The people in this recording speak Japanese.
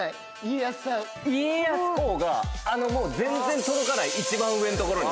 家康公があのもう全然届かない一番上の所に。